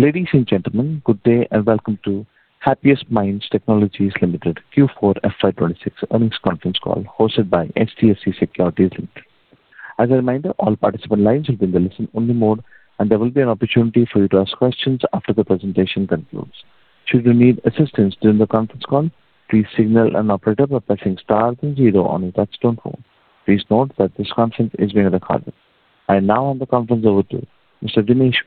Ladies and gentlemen, good day and welcome to Happiest Minds Technologies Limited Q4 FY 2026 earnings conference call hosted by HDFC Securities Limited. As a reminder, all participant lines will be in the listen-only mode, and there will be an opportunity for you to ask questions after the presentation concludes. Should you need assistance during the conference call, please signal an operator by pressing star then zero on your touch-tone phone. Please note that this conference is being recorded. I now hand the conference over to Mr. Vinesh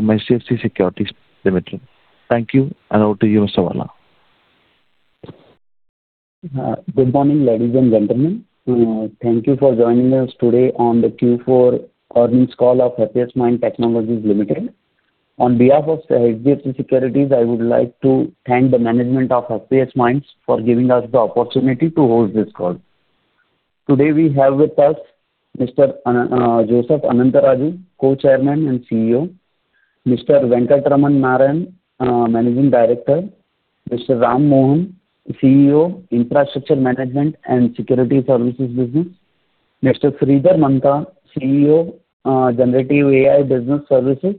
Vala from HDFC Securities Limited. Thank you, and over to you, Mr. Vala. Good morning, ladies and gentlemen. Thank you for joining us today on the Q4 earnings call of Happiest Minds Technologies Limited. On behalf of HDFC Securities, I would like to thank the management of Happiest Minds for giving us the opportunity to host this call. Today we have with us Mr. Joseph Anantharaju, Co-chairman and CEO. Mr. Venkatraman Narayanan, Managing Director. Mr. Ram Mohan, CEO, Infrastructure Management and Security Services Business. Mr. Sridhar Mantha, CEO, Generative AI Business Services.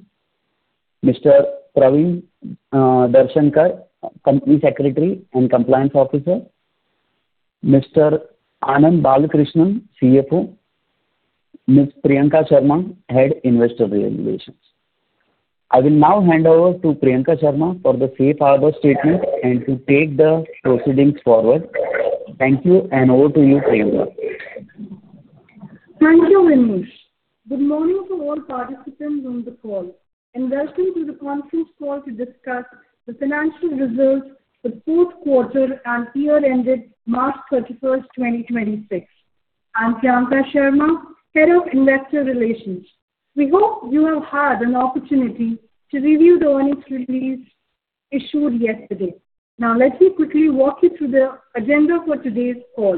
Mr. Praveen Darshankar, Company Secretary and Compliance Officer. Mr. Anand Balakrishnan, CFO. Ms. Priyanka Sharma, Head Investor Relations. I will now hand over to Priyanka Sharma for the safe harbor statement and to take the proceedings forward. Thank you, and over to you, Priyanka. Thank you, Vinesh. Good morning to all participants on the call, and welcome to the conference call to discuss the financial results for the fourth quarter and year-ended March 31st, 2026. I'm Priyanka Sharma, Head of Investor Relations. We hope you have had an opportunity to review the earnings release issued yesterday. Now let me quickly walk you through the agenda for today's call.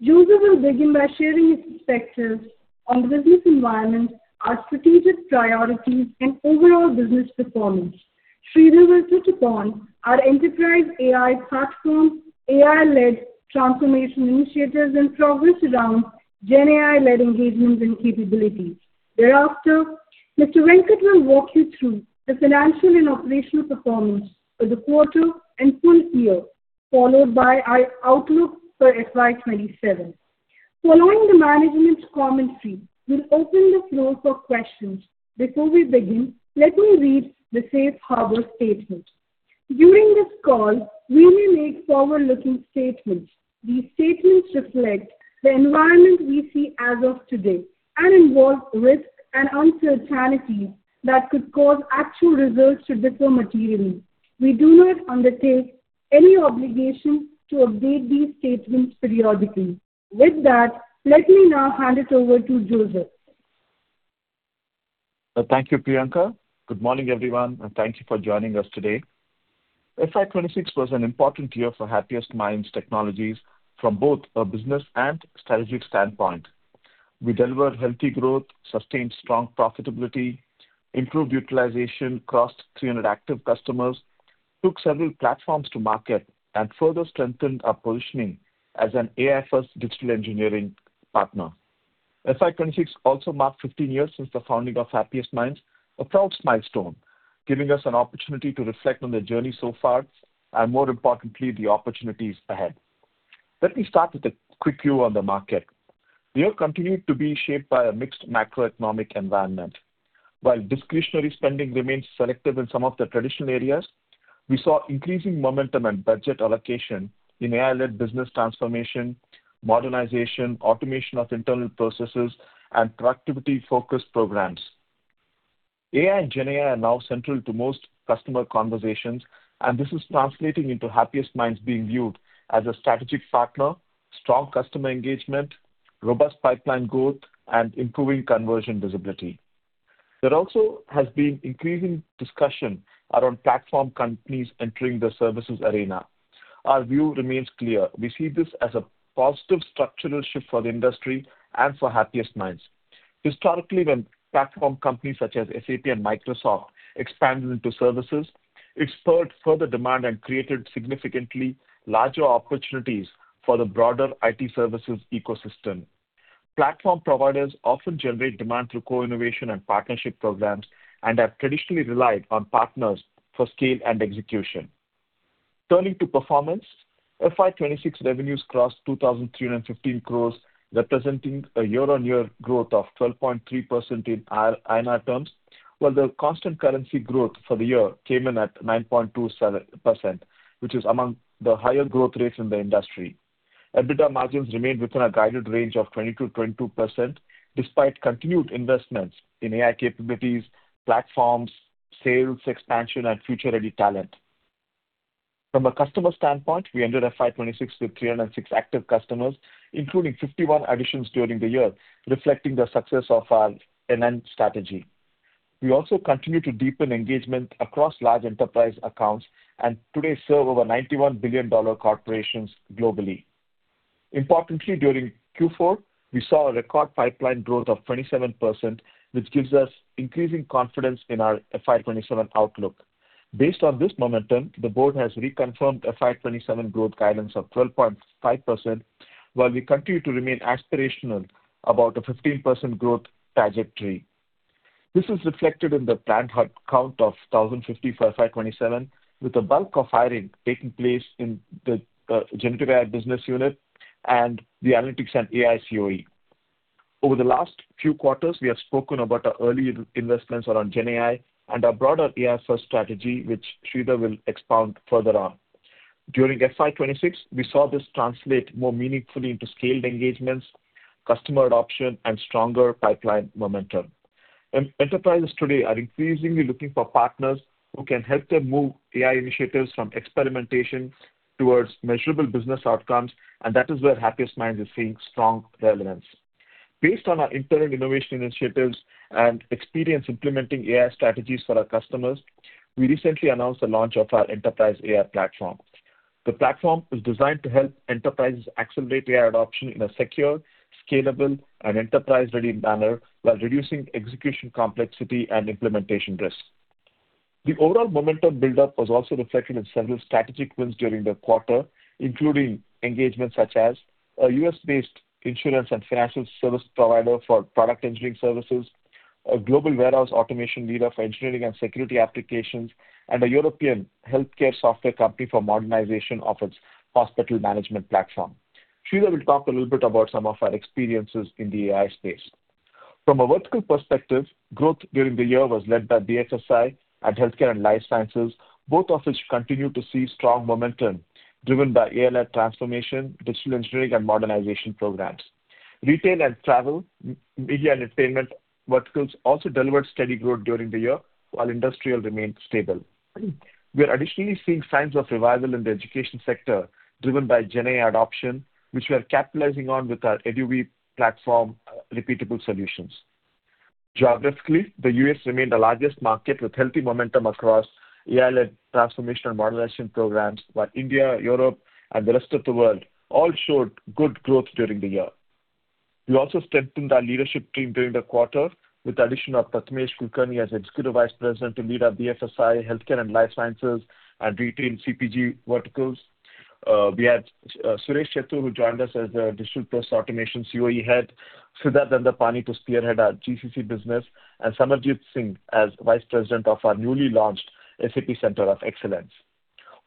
Joseph will begin by sharing his perspectives on the business environment, our strategic priorities, and overall business performance. Sridhar will touch upon our Enterprise AI Platform, AI-led transformation initiatives, and progress around GenAI-led engagements and capabilities. Thereafter, Mr. Venkatraman will walk you through the financial and operational performance for the quarter and full year, followed by our outlook for FY 2027. Following the management's commentary, we'll open the floor for questions. Before we begin, let me read the safe harbor statement. During this call, we may make forward-looking statements. These statements reflect the environment we see as of today and involve risks and uncertainties that could cause actual results to differ materially. We do not undertake any obligation to update these statements periodically. With that, let me now hand it over to Joseph. Thank you, Priyanka. Good morning, everyone, and thank you for joining us today. FY 2026 was an important year for Happiest Minds Technologies from both a business and strategic standpoint. We delivered healthy growth, sustained strong profitability, improved utilization, crossed 300 active customers, took several platforms to market, and further strengthened our positioning as an AI-first digital engineering partner. FY 2026 also marked 15 years since the founding of Happiest Minds, a proud milestone, giving us an opportunity to reflect on the journey so far and, more importantly, the opportunities ahead. Let me start with a quick view on the market. The year continued to be shaped by a mixed macroeconomic environment. While discretionary spending remains selective in some of the traditional areas, we saw increasing momentum and budget allocation in AI-led business transformation, modernization, automation of internal processes, and productivity-focused programs. AI and GenAI are now central to most customer conversations, and this is translating into Happiest Minds being viewed as a strategic partner, strong customer engagement, robust pipeline growth, and improving conversion visibility. There also has been increasing discussion around platform companies entering the services arena. Our view remains clear. We see this as a positive structural shift for the industry and for Happiest Minds. Historically, when platform companies such as SAP and Microsoft expanded into services, it spurred further demand and created significantly larger opportunities for the broader IT services ecosystem. Platform providers often generate demand through co-innovation and partnership programs and have traditionally relied on partners for scale and execution. Turning to performance, FY 2026 revenues crossed 2,315 crores, representing a year-on-year growth of 12.3% in INR terms, while the constant currency growth for the year came in at 9.27%, which is among the higher growth rates in the industry. EBITDA margins remained within our guided range of 20%-22%, despite continued investments in AI capabilities, platforms, sales expansion, and future-ready talent. From a customer standpoint, we ended FY 2026 with 306 active customers, including 51 additions during the year, reflecting the success of our M&A strategy. We also continue to deepen engagement across large enterprise accounts and today serve over 91 billion-dollar corporations globally. Importantly, during Q4, we saw a record pipeline growth of 27%, which gives us increasing confidence in our FY 2027 outlook. Based on this momentum, the board has reconfirmed FY 2027 growth guidance of 12.5%, while we continue to remain aspirational about a 15% growth trajectory. This is reflected in the planned headcount of 1,050 for FY 2027, with the bulk of hiring taking place in the Generative AI Business Unit and the Analytics and AI COE. Over the last few quarters, we have spoken about our early investments around GenAI and our broader AI-first strategy, which Sridhar will expound further on. During FY 2026, we saw this translate more meaningfully into scaled engagements, customer adoption, and stronger pipeline momentum. Enterprises today are increasingly looking for partners who can help them move AI initiatives from experimentation towards measurable business outcomes, and that is where Happiest Minds is seeing strong relevance. Based on our internal innovation initiatives and experience implementing AI strategies for our customers, we recently announced the launch of our Enterprise AI Platform. The platform is designed to help enterprises accelerate AI adoption in a secure, scalable, and enterprise-ready manner while reducing execution complexity and implementation risk. The overall momentum buildup was also reflected in several strategic wins during the quarter, including engagements such as a U.S.-based insurance and financial service provider for product engineering services, a global warehouse automation leader for engineering and security applications, and a European healthcare software company for modernization of its hospital management platform. Sridhar will talk a little bit about some of our experiences in the AI space. From a vertical perspective, growth during the year was led by BFSI and Healthcare & Life Sciences, both of which continue to see strong momentum driven by AI-led transformation, digital engineering, and modernization programs. Retail and travel, media and entertainment verticals also delivered steady growth during the year, while industrial remained stable. We are additionally seeing signs of revival in the education sector, driven by GenAI adoption, which we are capitalizing on with our EduWeave AI platform repeatable solutions. Geographically, the U.S. remained the largest market with healthy momentum across AI-led transformation and modernization programs, while India, Europe, and the rest of the world all showed good growth during the year. We also strengthened our leadership team during the quarter with the addition of Prathamesh Kulkarni as Executive Vice President to lead our BFSI, Healthcare and Life Sciences, and Retail and CPG Verticals. We had Suresh Chettur, who joined us as the Digital Process Automation COE Head, Siddharth Dhandapani to spearhead our GCC business, and Samarjeet Singh as Vice President of our newly launched SAP Center of Excellence.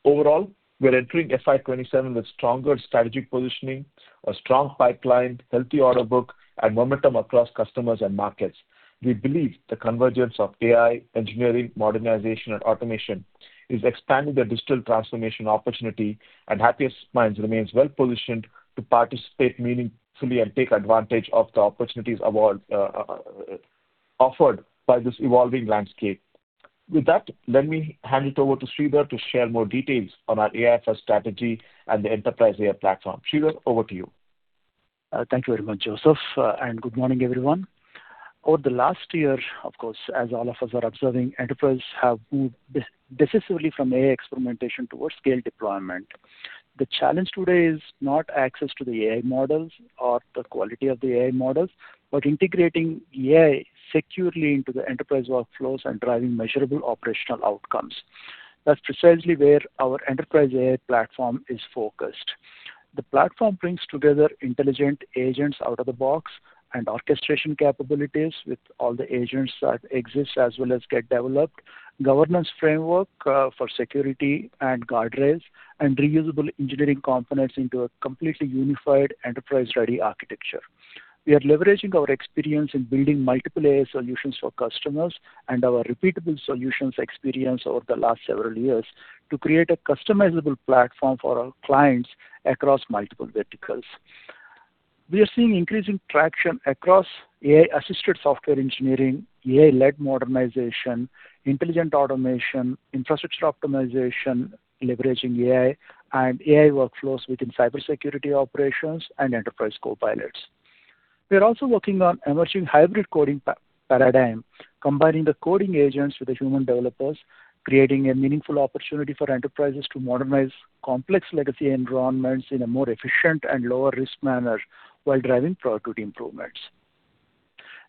Overall, we're entering FY 2027 with stronger strategic positioning, a strong pipeline, healthy order book, and momentum across customers and markets. We believe the convergence of AI, engineering, modernization, and automation is expanding the digital transformation opportunity, and Happiest Minds remains well-positioned to participate meaningfully and take advantage of the opportunities offered by this evolving landscape. With that, let me hand it over to Sridhar to share more details on our AI-first strategy and the Enterprise AI Platform. Sridhar, over to you. Thank you very much, Joseph. Good morning, everyone. Over the last year, of course, as all of us are observing, enterprises have moved decisively from AI experimentation towards scale deployment. The challenge today is not access to the AI models or the quality of the AI models, but integrating AI securely into the enterprise workflows and driving measurable operational outcomes. That's precisely where our Enterprise AI Platform is focused. The platform brings together intelligent agents out of the box and orchestration capabilities with all the agents that exist as well as get developed, governance framework for security and guardrails, and reusable engineering components into a completely unified enterprise-ready architecture. We are leveraging our experience in building multiple AI solutions for customers and our repeatable solutions experience over the last several years to create a customizable platform for our clients across multiple verticals. We are seeing increasing traction across AI-assisted software engineering, AI-led modernization, intelligent automation, infrastructure optimization, leveraging AI, and AI workflows within cybersecurity operations and enterprise copilots. We are also working on emerging hybrid coding paradigm, combining the coding agents with the human developers, creating a meaningful opportunity for enterprises to modernize complex legacy environments in a more efficient and lower-risk manner while driving productivity improvements.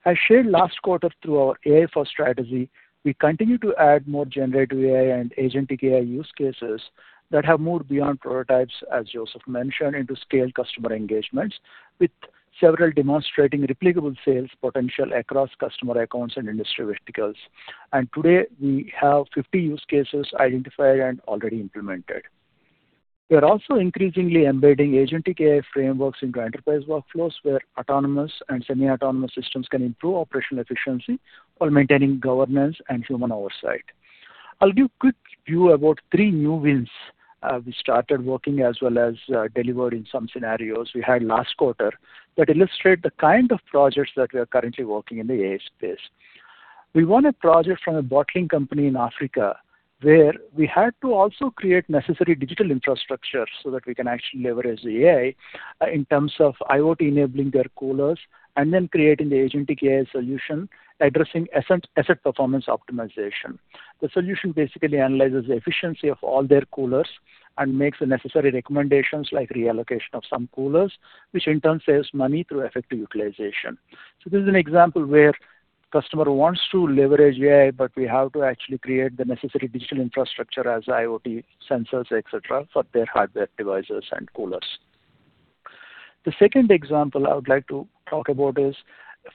As shared last quarter through our AI-First strategy, we continue to add more generative AI and agentic AI use cases that have moved beyond prototypes, as Joseph mentioned, into scaled customer engagements, with several demonstrating replicable sales potential across customer accounts and industry verticals. Today, we have 50 use cases identified and already implemented. We are also increasingly embedding agentic AI frameworks into enterprise workflows where autonomous and semi-autonomous systems can improve operational efficiency while maintaining governance and human oversight. I'll give quick view about three new wins we started working as well as delivered in some scenarios we had last quarter that illustrate the kind of projects that we are currently working in the AI space. We won a project from a bottling company in Africa where we had to also create necessary digital infrastructure so that we can actually leverage the AI in terms of IoT enabling their coolers, and then creating the agentic AI solution addressing asset performance optimization. The solution basically analyzes the efficiency of all their coolers and makes the necessary recommendations like reallocation of some coolers, which in turn saves money through effective utilization. This is an example where customer wants to leverage AI, but we have to actually create the necessary digital infrastructure as IoT sensors, et cetera, for their hardware devices and coolers. The second example I would like to talk about is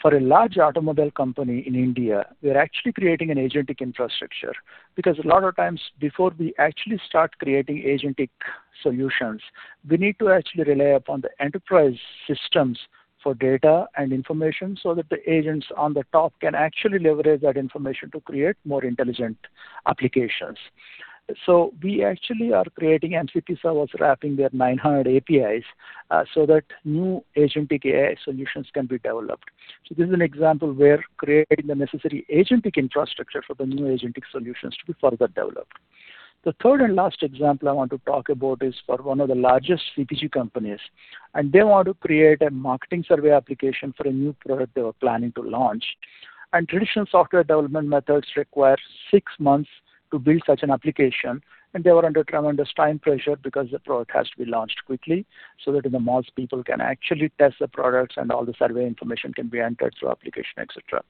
for a large automobile company in India. We are actually creating an agentic infrastructure because a lot of times before we actually start creating agentic solutions, we need to actually rely upon the enterprise systems for data and information so that the agents on the top can actually leverage that information to create more intelligent applications. We actually are creating MCP servers wrapping their 900 APIs so that new agentic AI solutions can be developed. This is an example where creating the necessary agentic infrastructure for the new agentic solutions to be further developed. The third and last example I want to talk about is for one of the largest CPG companies, and they want to create a marketing survey application for a new product they were planning to launch. Traditional software development methods require six months to build such an application. They were under tremendous time pressure because the product has to be launched quickly so that the malls people can actually test the products and all the survey information can be entered through application, et cetera.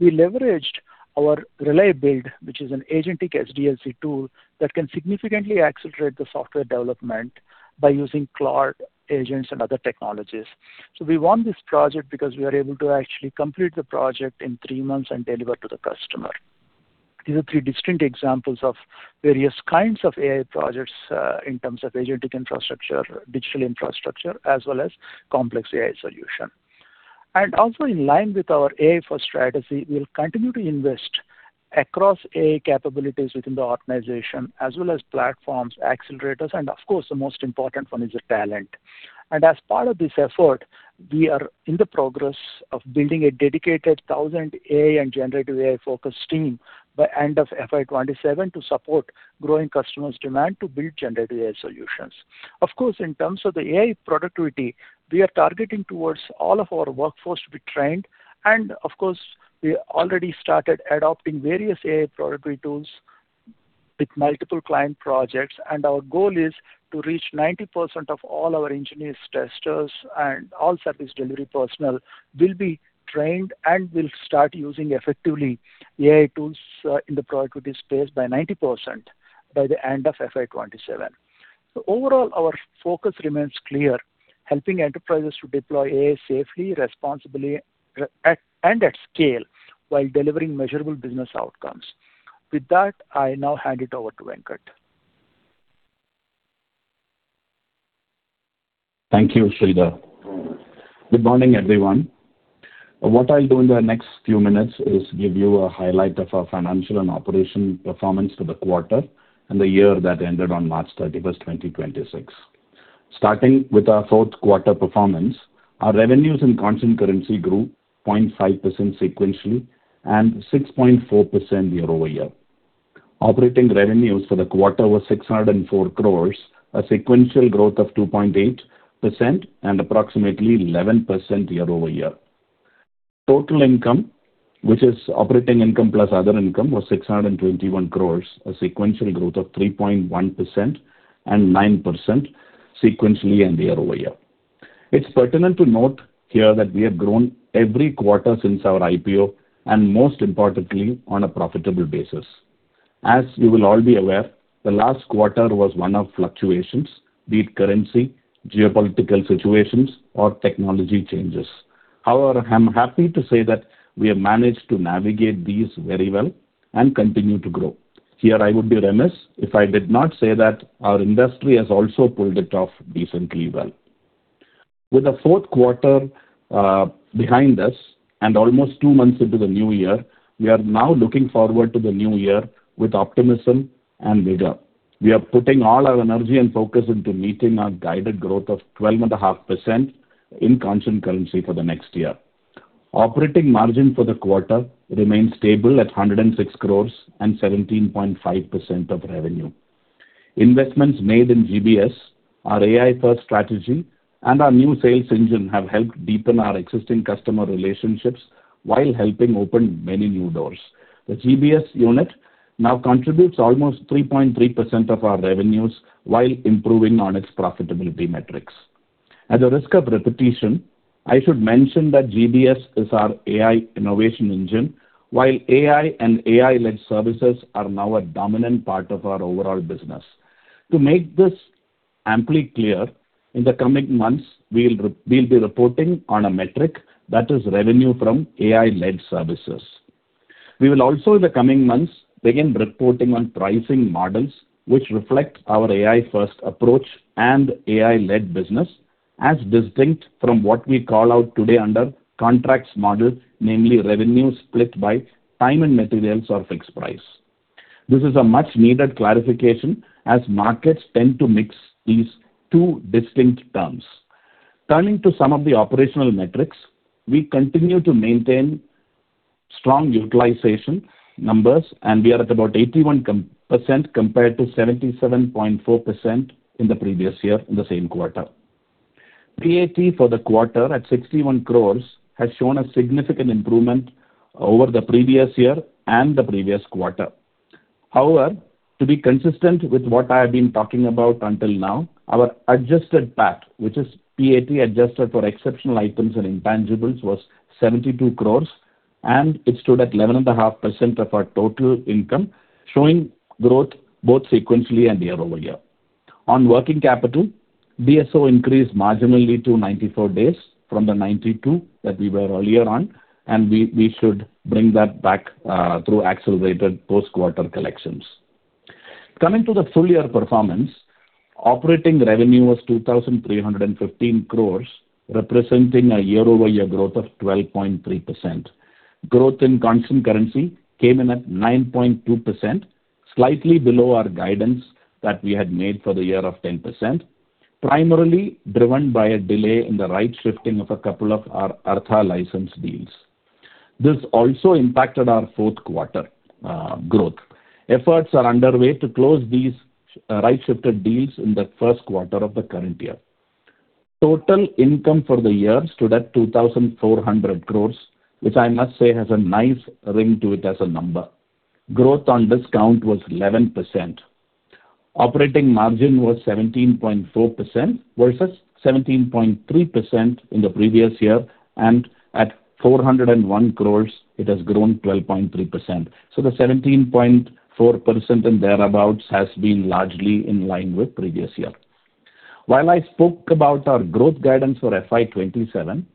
We leveraged our Rel(AI)Build, which is an agentic SDLC tool that can significantly accelerate the software development by using Claude agents and other technologies. We won this project because we are able to actually complete the project in three months and deliver to the customer. These are three distinct examples of various kinds of AI projects, in terms of agentic infrastructure, digital infrastructure, as well as complex AI solution. Also in line with our AI-first strategy, we'll continue to invest across AI capabilities within the organization as well as platforms, accelerators, and of course, the most important one is the talent. As part of this effort, we are in the progress of building a dedicated 1,000 AI and generative AI-focused team by end of FY 2027 to support growing customers' demand to build generative AI solutions. Of course, in terms of the AI productivity, we are targeting towards all of our workforce to be trained. Of course, we already started adopting various AI productivity tools with multiple client projects. Our goal is to reach 90% of all our engineers, testers, and all service delivery personnel will be trained and will start using effectively AI tools in the productivity space by 90% by the end of FY 2027. Overall, our focus remains clear, helping enterprises to deploy AI safely, responsibly, and at scale while delivering measurable business outcomes. With that, I now hand it over to Venkatraman. Thank you, Sridhar. Good morning, everyone. What I'll do in the next few minutes is give you a highlight of our financial and operation performance for the quarter and the year that ended on March 31st, 2026. Starting with our fourth quarter performance, our revenues in constant currency grew 0.5% sequentially and 6.4% year-over-year. Operating revenues for the quarter was 604 crores, a sequential growth of 2.8% and approximately 11% year-over-year. Total income, which is operating income plus other income, was 621 crores, a sequential growth of 3.1% and 9% sequentially and year-over-year. It's pertinent to note here that we have grown every quarter since our IPO, and most importantly, on a profitable basis. As you will all be aware, the last quarter was one of fluctuations, be it currency, geopolitical situations, or technology changes. I'm happy to say that we have managed to navigate these very well and continue to grow. Here I would be remiss if I did not say that our industry has also pulled it off decently well. With the fourth quarter behind us and almost two months into the new year, we are now looking forward to the new year with optimism and vigor. We are putting all our energy and focus into meeting our guided growth of 12.5% in constant currency for the next year. Operating margin for the quarter remains stable at 106 crores and 17.5% of revenue. Investments made in GBS, our AI first strategy, and our new sales engine have helped deepen our existing customer relationships while helping open many new doors. The GBS unit now contributes almost 3.3% of our revenues while improving on its profitability metrics. At the risk of repetition, I should mention that GBS is our AI innovation engine, while AI and AI-led services are now a dominant part of our overall business. To make this amply clear, in the coming months, we'll be reporting on a metric that is revenue from AI-led services. We will also, in the coming months, begin reporting on pricing models which reflect our AI first approach and AI-led business as distinct from what we call out today under contracts model, namely revenue split by time and materials or fixed price. This is a much needed clarification as markets tend to mix these two distinct terms. Turning to some of the operational metrics, we continue to maintain strong utilization numbers, and we are at about 81% compared to 77.4% in the previous year in the same quarter. PAT for the quarter at 61 crores has shown a significant improvement over the previous year and the previous quarter. However, to be consistent with what I have been talking about until now, our Adjusted PAT, which is PAT adjusted for exceptional items and intangibles, was 72 crores. It stood at 11.5% of our total income, showing growth both sequentially and year-over-year. On working capital, DSO increased marginally to 94 days from the 92 that we were earlier on, and we should bring that back through accelerated post-quarter collections. Coming to the full-year performance, operating revenue was 2,315 crores, representing a year-over-year growth of 12.3%. Growth in constant currency came in at 9.2%, slightly below our guidance that we had made for the year of 10%, primarily driven by a delay in the right shifting of a couple of our Arttha license deals. This also impacted our fourth quarter growth. Efforts are underway to close these right-shifted deals in the first quarter of the current year. Total income for the year stood at 2,400 crores, which I must say has a nice ring to it as a number. Growth on this count was 11%. Operating margin was 17.4% versus 17.3% in the previous year. At 401 crores, it has grown 12.3%. The 17.4% and thereabouts has been largely in line with previous year. While I spoke about our growth guidance for FY 2027,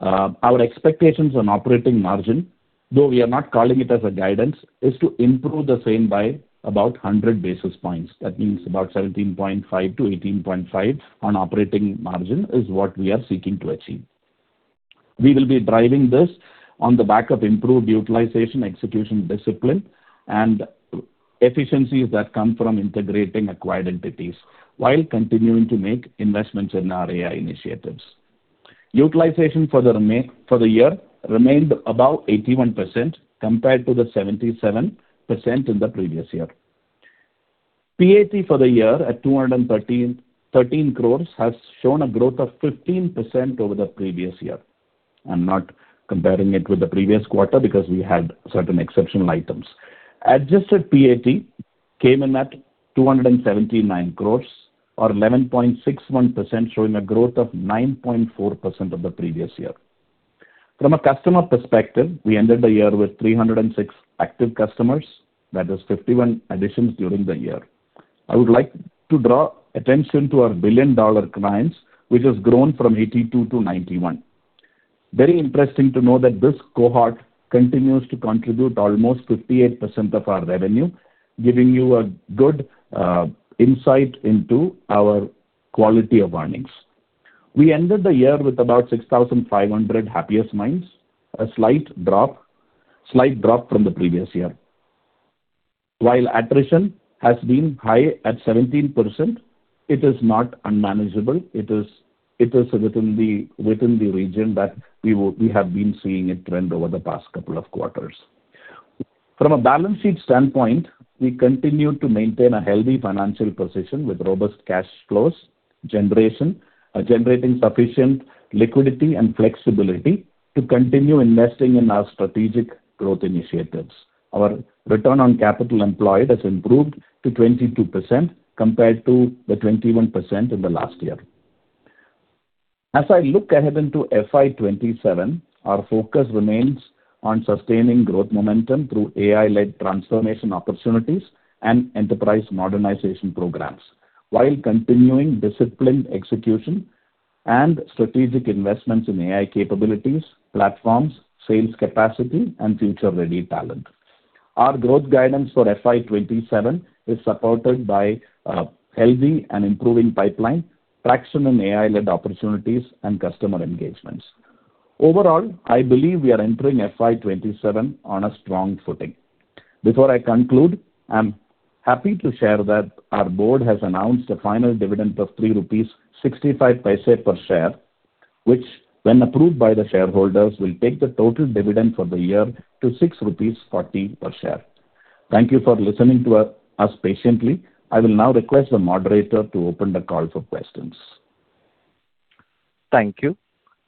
our expectations on operating margin, though we are not calling it as a guidance, is to improve the same by about 100 basis points. That means about 17.5%-18.5% on operating margin is what we are seeking to achieve. We will be driving this on the back of improved utilization, execution discipline, and efficiencies that come from integrating acquired entities, while continuing to make investments in our AI initiatives. Utilization for the year remained above 81% compared to the 77% in the previous year. PAT for the year at 213 crores has shown a growth of 15% over the previous year. I'm not comparing it with the previous quarter because we had certain exceptional items. Adjusted PAT came in at 279 crores or 11.61%, showing a growth of 9.4% of the previous year. From a customer perspective, we ended the year with 306 active customers. That is 51 additions during the year. I would like to draw attention to our billion-dollar clients, which has grown from 82 to 91. Very interesting to know that this cohort continues to contribute almost 58% of our revenue, giving you a good insight into our quality of earnings. We ended the year with about 6,500 Happiest Minds, a slight drop from the previous year. While attrition has been high at 17%, it is not unmanageable. It is within the region that we have been seeing it trend over the past couple of quarters. From a balance sheet standpoint, we continue to maintain a healthy financial position with robust cash flows, generating sufficient liquidity and flexibility to continue investing in our strategic growth initiatives. Our return on capital employed has improved to 22% compared to the 21% in the last year. As I look ahead into FY 2027, our focus remains on sustaining growth momentum through AI-led transformation opportunities and enterprise modernization programs, while continuing disciplined execution and strategic investments in AI capabilities, platforms, sales capacity, and future-ready talent. Our growth guidance for FY 2027 is supported by a healthy and improving pipeline, traction in AI-led opportunities, and customer engagements. Overall, I believe we are entering FY 2027 on a strong footing. Before I conclude, I am happy to share that our board has announced a final dividend of 3.65 rupees per share, which when approved by the shareholders, will take the total dividend for the year to 6.40 rupees per share. Thank you for listening to us patiently. I will now request the moderator to open the call for questions. Thank you.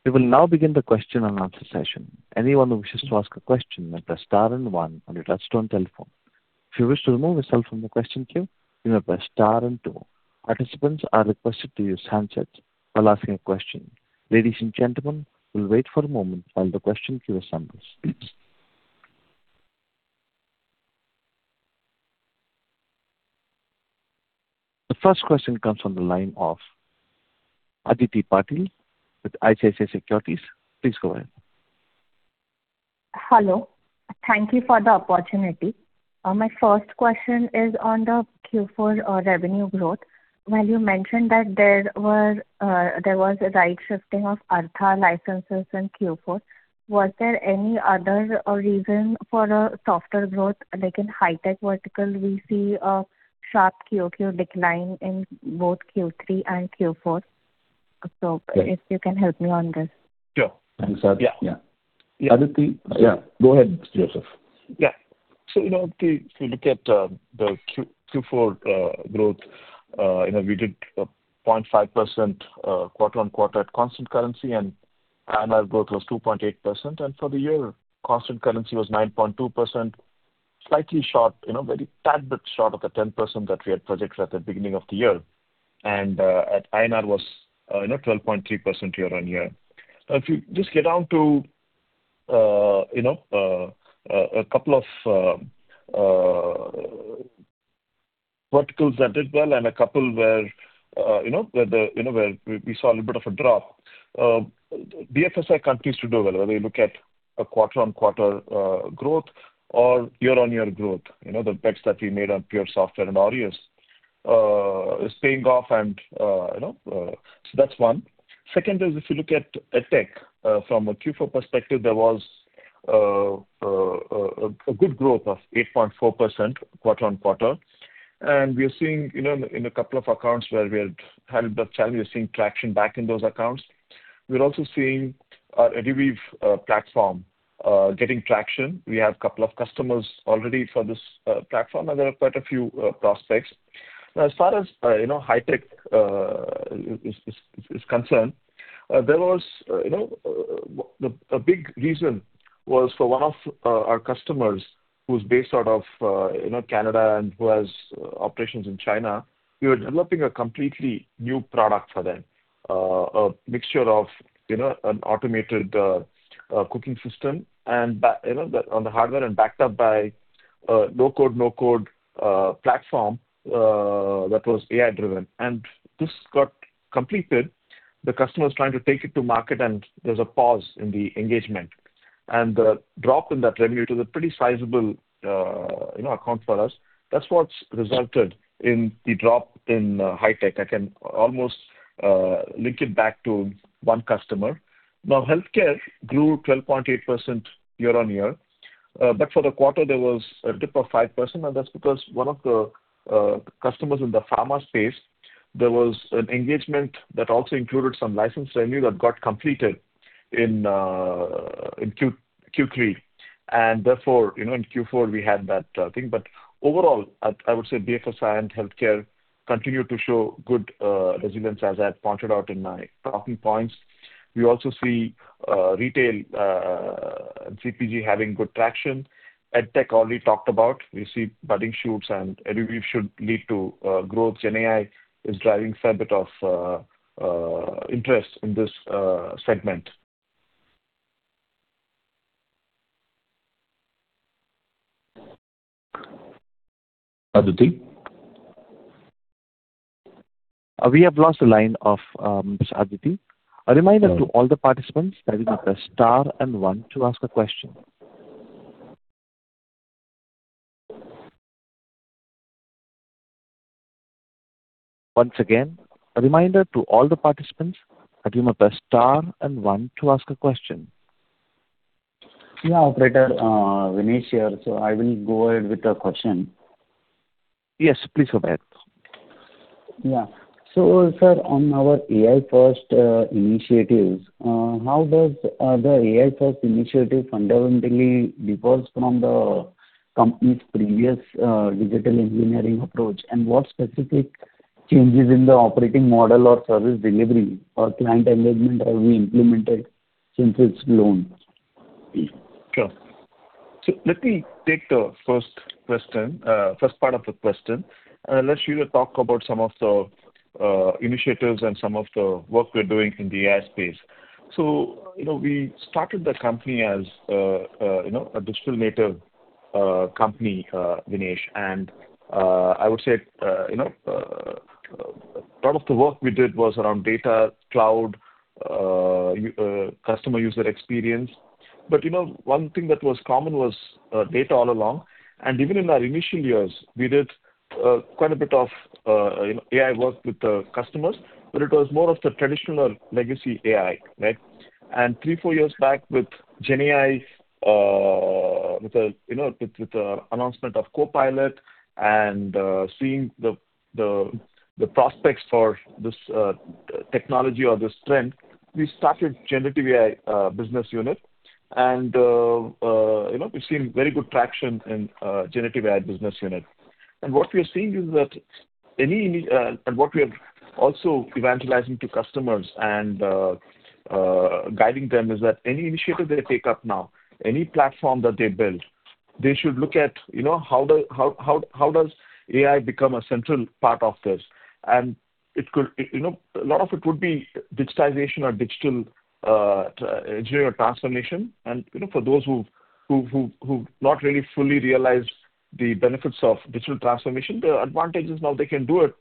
We will now begin the question-and-answer session. Anyone who wishes to asked a question may press star and one on a touchtone telephone. If you wish to remove yourself from question queue, you may press star and two. Participant are requested to use handset while asking a question. Ladies and gentlemen we will wait for a moment while the question queue assemble. The first question comes from the line of Aditi Patil with ICICI Securities. Please go ahead. Hello. Thank you for the opportunity. My first question is on the Q4 revenue growth. While you mentioned that there was a right shifting of Arttha licenses in Q4, was there any other reason for a softer growth, like in Hi-Tech vertical, we see a sharp QoQ decline in both Q3 and Q4. If you can help me on this. Sure. Thanks, Aditi. Yeah. Yeah. Yeah, go ahead, Joseph. Yeah. If you look at the Q4 growth, we did 0.5% quarter-on-quarter at constant currency, and annual growth was 2.8%. For the year, constant currency was 9.2%. Slightly short, very tad bit short of the 10% that we had projected at the beginning of the year. INR was 12.3% year-on-year. If you just get down to a couple of verticals that did well and a couple where we saw a little bit of a drop. BFSI continues to do well, whether we look at a quarter-on-quarter growth or year-on-year growth. The bets that we made on PureSoftware and Aureus is paying off, and so that's one. Second is if you look at EdTech from a Q4 perspective, there was a good growth of 8.4% quarter-on-quarter. We are seeing in a couple of accounts where we had handled that challenge, we are seeing traction back in those accounts. We're also seeing our EduWeave platform getting traction. We have couple of customers already for this platform, and there are quite a few prospects. As far as Hi-Tech is concerned, a big reason was for one of our customers who's based out of Canada and who has operations in China. We were developing a completely new product for them, a mixture of an automated cooking system on the hardware and backed up by low code, no code platform that was AI-driven. This got completed. The customer is trying to take it to market, and there's a pause in the engagement. The drop in that revenue, it was a pretty sizable account for us. That's what's resulted in the drop in Hi-Tech. I can almost link it back to one customer. Healthcare grew 12.8% year-on-year. For the quarter, there was a dip of 5%, and that's because one of the customers in the pharma space, there was an engagement that also included some license revenue that got completed in Q3. Therefore, in Q4 we had that thing. Overall, I would say BFSI and healthcare continue to show good resilience, as I had pointed out in my talking points. We also see retail and CPG having good traction. EdTech, already talked about. We see budding shoots and EduWeave should lead to growth. GenAI is driving fair bit of interest in this segment. Aditi. We have lost the line of Miss Aditi. A reminder to all the participants that you can press star and one to ask a question. Once again, a reminder to all the participants that you may press star and one to ask a question. Yeah, operator. Vinesh here. I will go ahead with the question. Yes, please go ahead. Yeah. Sir, on our AI first initiatives, how does the AI first initiative fundamentally differs from the company's previous digital engineering approach? What specific changes in the operating model or service delivery or client engagement have we implemented since its launch? Sure. Let me take the first part of the question. Let Sridhar talk about some of the initiatives and some of the work we're doing in the AI space. We started the company as a digital native company, Vinesh. I would say part of the work we did was around data, cloud, customer user experience. One thing that was common was data all along. Even in our initial years, we did quite a bit of AI work with the customers, but it was more of the traditional legacy AI, right? Three, four years back with GenAI, with the announcement of Copilot and seeing the prospects for this technology or this trend, we started Generative AI business unit. We've seen very good traction in Generative AI business unit. What we are seeing is that what we are also evangelizing to customers and guiding them is that any initiative they take up now, any platform that they build, they should look at how does AI become a central part of this. A lot of it would be digitization or digital engineering or transformation. For those who've not really fully realized the benefits of digital transformation, the advantage is now they can do it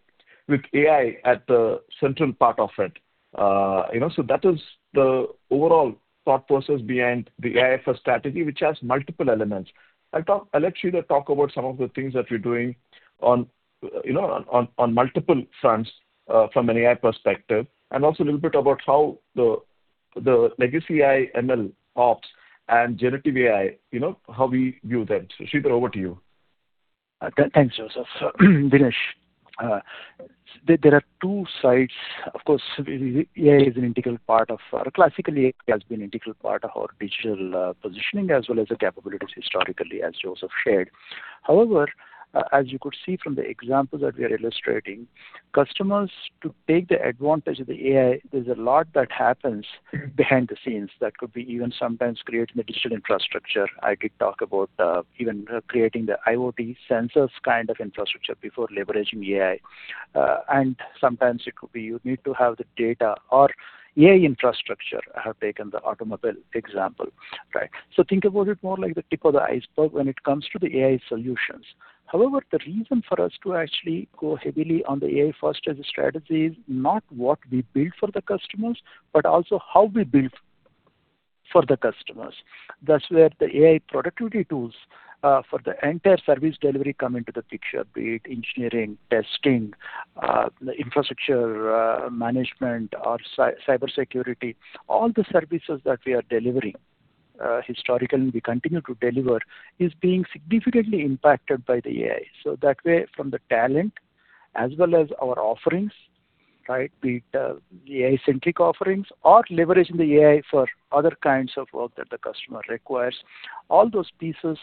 with AI at the central part of it. That is the overall thought process behind the AI first strategy, which has multiple elements. I'll let Sridhar talk about some of the things that we're doing on multiple fronts from an AI perspective, and also a little bit about how the legacy AI, MLOps and Generative AI, how we view them. Sridhar, over to you. Thanks, Joseph. Vinesh. There are two sides. Of course, classically, it has been integral part of our digital positioning as well as the capabilities historically, as Joseph shared. However, as you could see from the example that we are illustrating, customers to take the advantage of the AI, there's a lot that happens behind the scenes that could be even sometimes creating the digital infrastructure. I did talk about even creating the IoT sensors kind of infrastructure before leveraging AI. Sometimes it could be you need to have the data or AI infrastructure. I have taken the automobile example, right? Think about it more like the tip of the iceberg when it comes to the AI solutions. The reason for us to actually go heavily on the AI-first as a strategy is not what we build for the customers, but also how we build for the customers. That's where the AI productivity tools for the entire service delivery come into the picture, be it engineering, testing, infrastructure management or cybersecurity. All the services that we are delivering, historically, we continue to deliver, is being significantly impacted by the AI. That way, from the talent as well as our offerings, be it AI-centric offerings or leveraging the AI for other kinds of work that the customer requires. All those pieces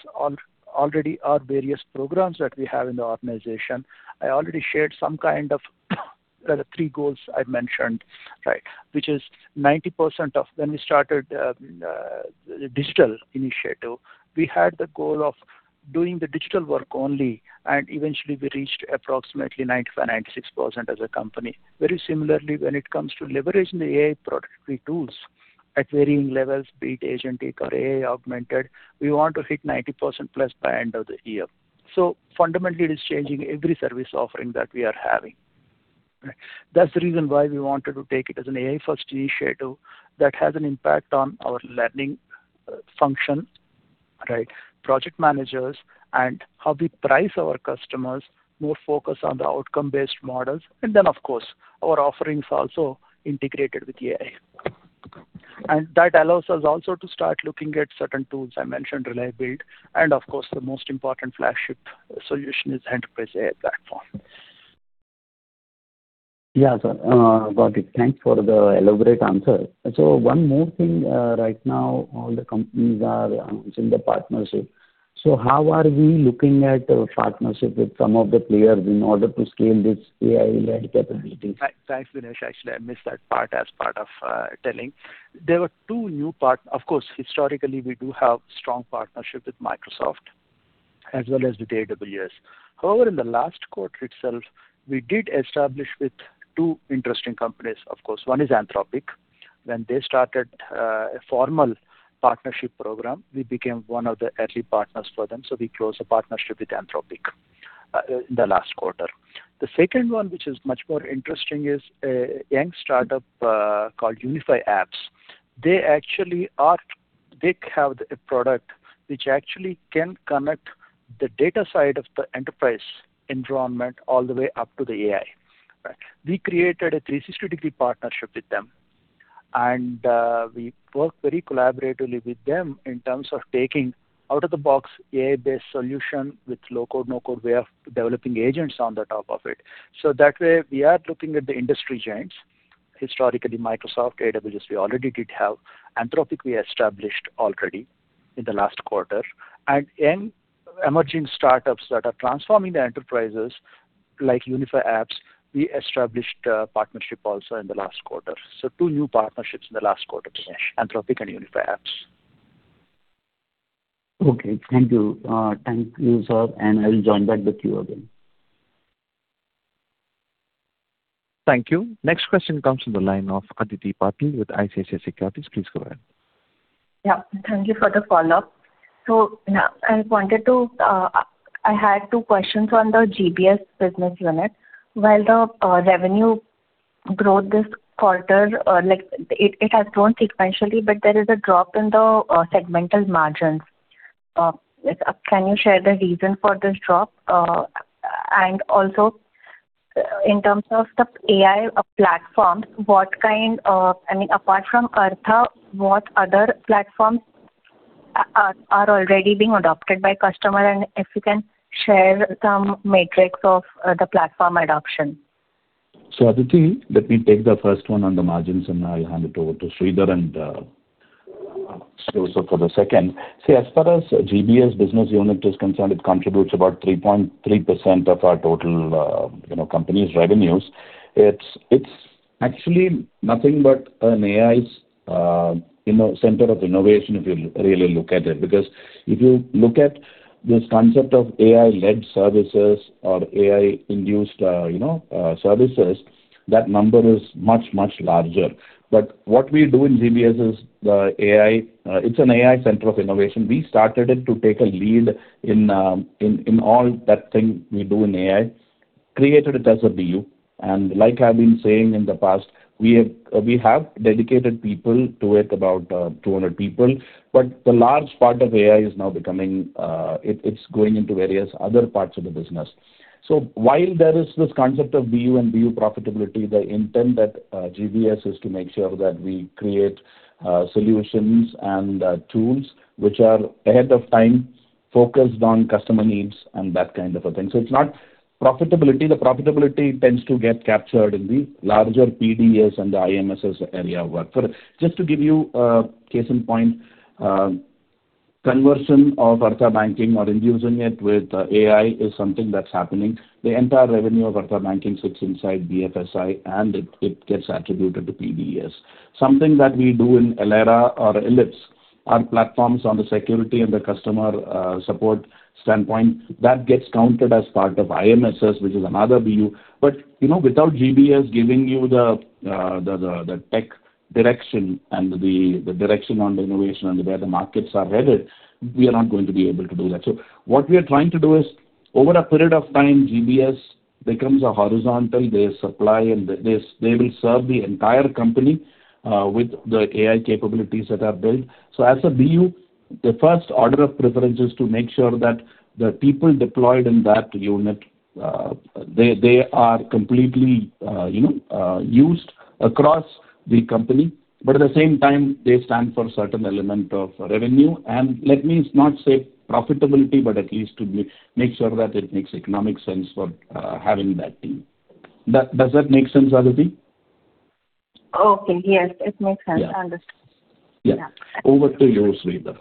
already are various programs that we have in the organization. I already shared some kind of three goals I mentioned, which is 90% of when we started the digital initiative. We had the goal of doing the digital work only. Eventually we reached approximately 95%, 96% as a company. Very similarly, when it comes to leveraging the AI productivity tools at varying levels, be it agentic or AI-augmented, we want to hit 90% plus by end of the year. Fundamentally, it is changing every service offering that we are having. That's the reason why we wanted to take it as an AI-first initiative that has an impact on our learning function, project managers, and how we price our customers more focused on the outcome-based models. Then, of course, our offerings also integrated with AI. That allows us also to start looking at certain tools. I mentioned ReliantAI Build. Of course, the most important flagship solution is Enterprise AI Platform. Yeah. Got it. Thanks for the elaborate answer. One more thing. Right now, all the companies are announcing the partnership. How are we looking at partnership with some of the players in order to scale this AI-led capabilities? Thanks, Vinesh. Actually, I missed that part as part of telling. Historically, we do have strong partnership with Microsoft as well as with AWS. However, in the last quarter itself, we did establish with two interesting companies, of course. One is Anthropic. When they started a formal partnership program, we became one of the early partners for them. We closed a partnership with Anthropic in the last quarter. The second one, which is much more interesting, is a young startup called UnifyApps. They have a product which actually can connect the data side of the enterprise environment all the way up to the AI. We created a 360-degree partnership with them. We work very collaboratively with them in terms of taking out-of-the-box AI-based solution with low-code, no-code way of developing agents on the top of it. That way, we are looking at the industry giants. Historically, Microsoft, AWS, we already did have. Anthropic, we established already in the last quarter. Young emerging startups that are transforming the enterprises, like UnifyApps, we established a partnership also in the last quarter. Two new partnerships in the last quarter, Vinesh. Anthropic and UnifyApps. Okay. Thank you. Thank you, sir. I will join back with you again. Thank you. Next question comes from the line of Aditi Patil with ICICI Securities. Please go ahead. Yeah. Thank you for the follow-up. I had two questions on the GBS business unit. While the revenue growth this quarter, it has grown sequentially, but there is a drop in the segmental margins. Can you share the reason for this drop? Also, in terms of the AI platforms, apart from Arttha, what other platforms are already being adopted by customer? If you can share some metrics of the platform adoption. Aditi, let me take the first one on the margins, and I'll hand it over to Sridhar and Joseph for the second. As far as GBS business unit is concerned, it contributes about 3.3% of our total company's revenues. It's actually nothing but an AI's center of innovation, if you really look at it. If you look at this concept of AI-led services or AI-induced services, that number is much larger. What we do in GBS is an AI center of innovation. We started it to take a lead in all that thing we do in AI, created it as a BU. Like I've been saying in the past, we have dedicated people to it, about 200 people. The large part of AI is now going into various other parts of the business. While there is this concept of BU and BU profitability, the intent at GBS is to make sure that we create solutions and tools which are ahead of time, focused on customer needs and that kind of a thing. It's not profitability. The profitability tends to get captured in the larger PDS and the IMSS area of work. Just to give you a case in point, conversion of Arttha banking or infusing it with AI is something that's happening. The entire revenue of Arttha banking sits inside BFSI, and it gets attributed to PDS. Something that we do in Avera or ELLIPSE, our platforms on the security and the customer support standpoint, that gets counted as part of IMSS, which is another BU. Without GBS giving you the tech direction and the direction on the innovation and where the markets are headed, we are not going to be able to do that. What we are trying to do is, over a period of time, GBS becomes a horizontal. They supply and they will serve the entire company with the AI capabilities that are built. As a BU, the first order of preference is to make sure that the people deployed in that unit are completely used across the company. At the same time, they stand for a certain element of revenue. Let me not say profitability, but at least to make sure that it makes economic sense for having that team. Does that make sense, Aditi? Okay. Yes, it makes sense. I understand. Yeah. Over to you, Sridhar.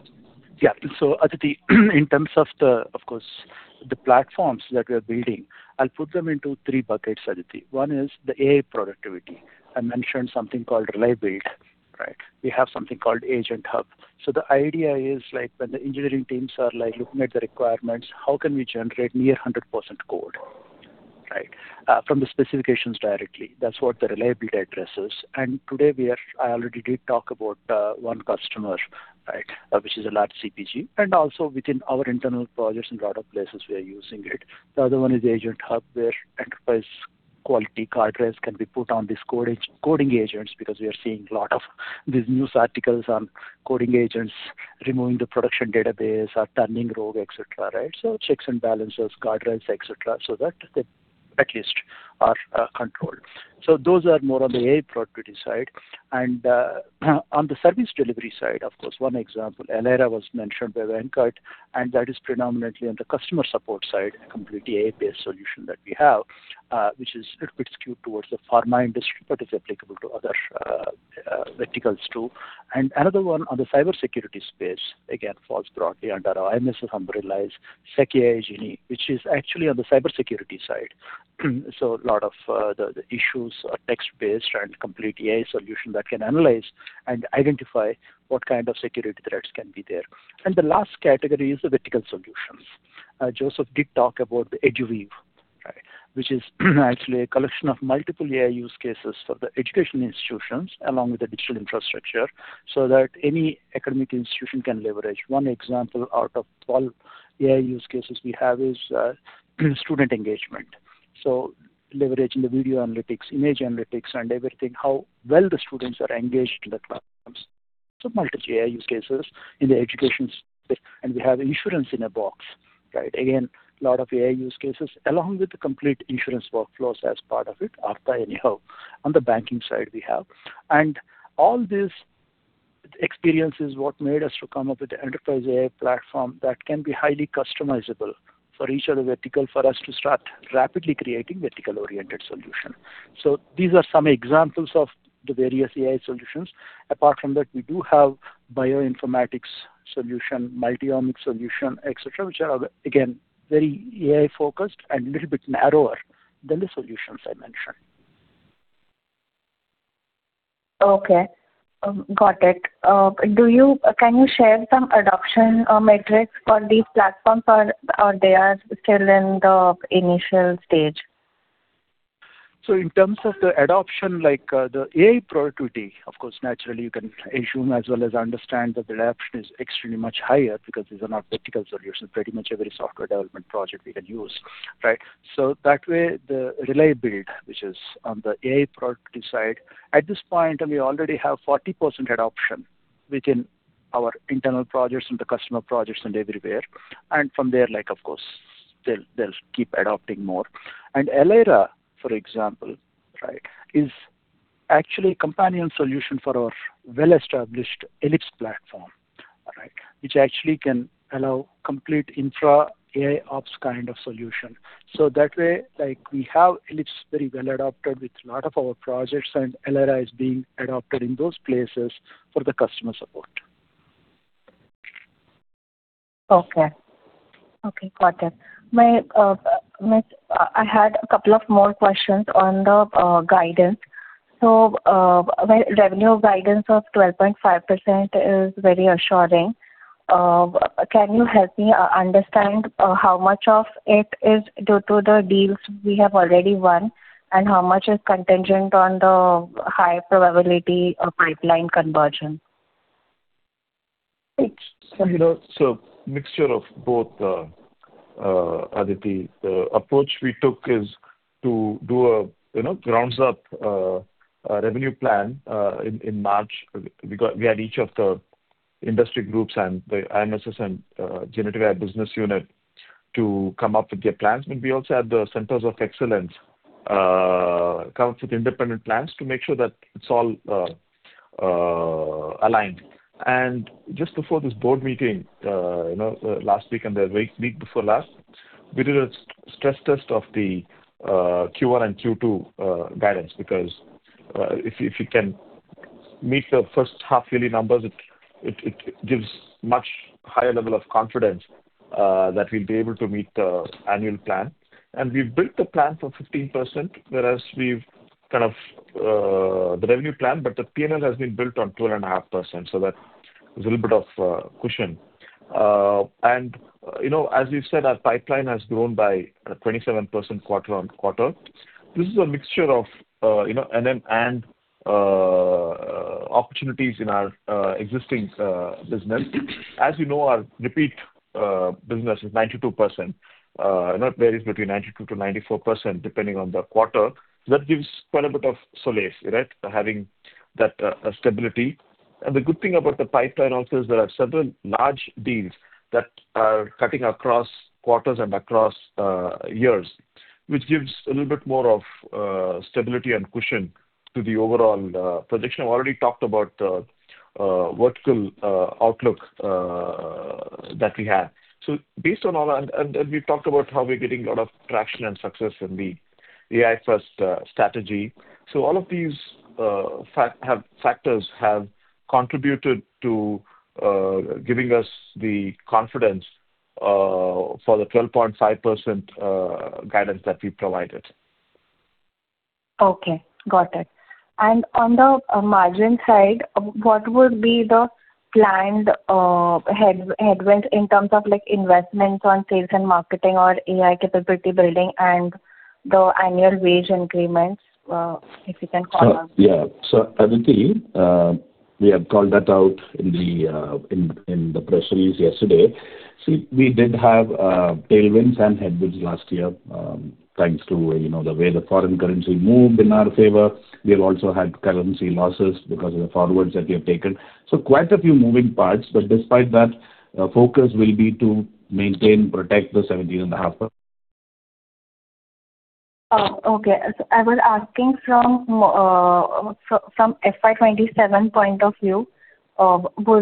Yeah. Aditi, in terms of the platforms that we are building, I'll put them into three buckets. One is the AI productivity. I mentioned something called Rel(AI)Build. We have something called Agent Hub. The idea is when the engineering teams are looking at the requirements, how can we generate near 100% code from the specifications directly? That's what the Rel(AI)Build addresses. Today, I already did talk about one customer, which is a large CPG, and also within our internal projects in a lot of places we are using it. The other one is Agent Hub, where enterprise-quality guardrails can be put on these coding agents, because we are seeing a lot of these news articles on coding agents removing the production database or turning rogue, et cetera. Checks and balances, guardrails, et cetera, so that at least are controlled. Those are more on the AI productivity side. On the service delivery side, of course, one example, Avera was mentioned by Venkat, and that is predominantly on the customer support side, a complete AI-based solution that we have, which is a little bit skewed towards the pharma industry, but is applicable to other verticals, too. Another one on the cybersecurity space, again, falls broadly under our IMSS umbrella is SecAiGenie, which is actually on the cybersecurity side. A lot of the issues are text-based and a complete AI solution that can analyze and identify what kind of security threats can be there. The last category is the vertical solutions. Joseph did talk about the EduWeave, which is actually a collection of multiple AI use cases for the education institutions along with the digital infrastructure, so that any academic institution can leverage. One example out of 12 AI use cases we have is student engagement. Leveraging the video analytics, image analytics and everything, how well the students are engaged in the classrooms. Multiple AI use cases in the education space. We have Insurance in a Box. Again, a lot of AI use cases along with the complete insurance workflows as part of it, Arttha anyhow, on the banking side we have. All these experiences are what made us to come up with the Enterprise AI Platform that can be highly customizable for each of the vertical for us to start rapidly creating vertical-oriented solution. These are some examples of the various AI solutions. Apart from that, we do have bioinformatics solution, multi-omics solution, et cetera, which are, again, very AI-focused and a little bit narrower than the solutions I mentioned. Okay. Got it. Can you share some adoption metrics for these platforms, or they are still in the initial stage? In terms of the adoption, the AI productivity, of course, naturally, you can assume as well as understand that the adoption is extremely much higher because these are not vertical solutions. Pretty much every software development project we can use. That way, the Rel(AI)Build, which is on the AI productivity side, at this point, we already have 40% adoption within our internal projects and the customer projects and everywhere. From there, of course, they'll keep adopting more. Avera, for example, is actually a companion solution for our well-established ELLIPSE platform, which actually can allow complete infra AIOps kind of solution. That way, we have ELLIPSE very well adopted with a lot of our projects, and Avera is being adopted in those places for the customer support. Okay. Got it. I had a couple of more questions on the guidance. Revenue guidance of 12.5% is very assuring. Can you help me understand how much of it is due to the deals we have already won, and how much is contingent on the high probability of pipeline conversion? It's a mixture of both, Aditi. The approach we took is to do a grounds-up revenue plan in March. We had each of the industry groups and the IMSS and Generative AI business unit. To come up with their plans, but we also have the centers of excellence come up with independent plans to make sure that it's all aligned. Just before this board meeting last week and the week before last, we did a stress test of the Q1 and Q2 guidance, because if you can meet the first half-yearly numbers, it gives much higher level of confidence that we'll be able to meet the annual plan. We've built the plan for 15%, whereas the revenue plan, but the P&L has been built on 12.5%, so that little bit of cushion. As you said, our pipeline has grown by 27% quarter-on-quarter. This is a mixture of N&M opportunities in our existing business. As you know, our repeat business is 92%, varies between 92%-94%, depending on the quarter. That gives quite a bit of solace, having that stability. The good thing about the pipeline also is there are several large deals that are cutting across quarters and across years, which gives a little bit more of stability and cushion to the overall projection. I've already talked about the vertical outlook that we have. Based on all that, and we've talked about how we're getting a lot of traction and success in the AI-first strategy. All of these factors have contributed to giving us the confidence for the 12.5% guidance that we've provided. Okay, got it. On the margin side, what would be the planned headwind in terms of investments on sales and marketing or AI capability building and the annual wage increments if you can call out? Aditi, we have called that out in the press release yesterday. We did have tailwinds and headwinds last year. Thanks to the way the foreign currency moved in our favor. We have also had currency losses because of the forwards that we have taken. Quite a few moving parts, but despite that, our focus will be to maintain, protect the 17.5%. Okay. I was asking from FY 2027 point of view, would our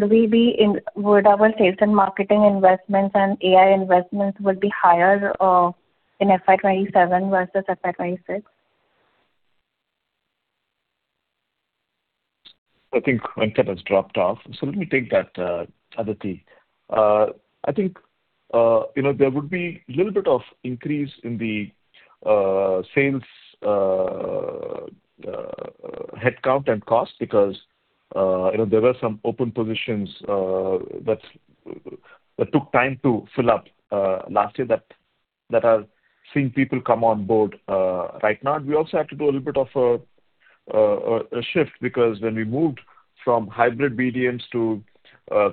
sales and marketing investments and AI investments would be higher in FY 2027 versus FY 2026? I think Venkatraman has dropped off, so let me take that, Aditi. I think there would be little bit of increase in the sales headcount and cost because there were some open positions that took time to fill up last year that are seeing people come on board right now. We also had to do a little bit of a shift because when we moved from hybrid BDMs to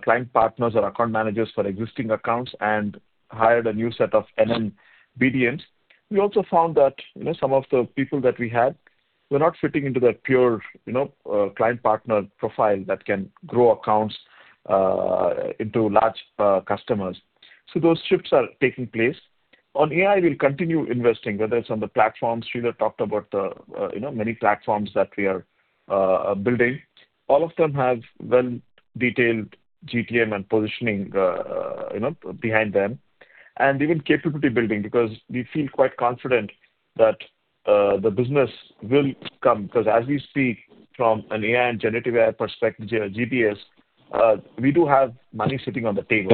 client partners or account managers for existing accounts and hired a new set of N&M BDMs. We also found that some of the people that we had were not fitting into that pure client partner profile that can grow accounts into large customers. Those shifts are taking place. On AI, we'll continue investing, whether it's on the platforms, Sridhar talked about the many platforms that we are building. All of them have well-detailed GTM and positioning behind them, and even capability building, because we feel quite confident that the business will come because as we speak from an AI and generative AI perspective, GBS, we do have money sitting on the table.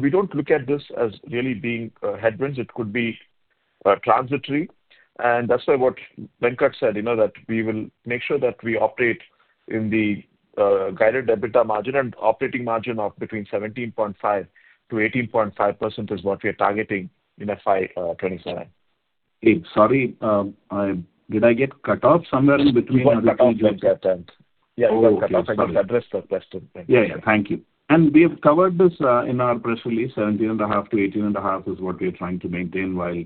We don't look at this as really being headwinds. It could be transitory. That's why what Venkatraman said, that we will make sure that we operate in the guided EBITDA margin and operating margin of between 17.5% to 18.5% is what we are targeting in FY 2027. Sorry. Did I get cut off somewhere in between? You got cut off, Venkatraman. Oh, okay. Sorry. Yeah, you got cut off and you addressed the question. Thank you. Yeah. Thank you. We have covered this in our press release, 17.5%-18.5% is what we are trying to maintain while